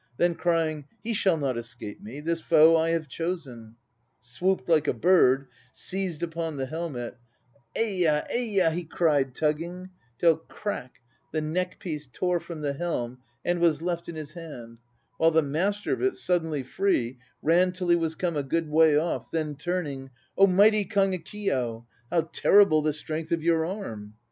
Then crying "He shall not escape me, this foe I have chosen," Swooped like a bird, seized upon the helmet, "Eya, eya," he cried, tugging, Till "Crack" the neck piece tore from the helm and was left in his hand, While the master of it, suddenly free, ran till he was come A good way off, then turning, "0 mighty Kagekiyo, how terrible the strength of your arm!"